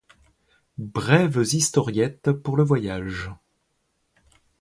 Brèves historiettes pour le voyage.